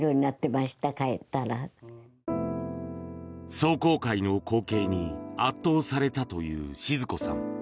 壮行会の光景に圧倒されたという静子さん。